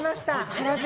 原宿。